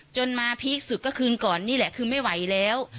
จนมาพีคสุดก็คืนก่อนนี่แหละคือไม่ไหวแล้ว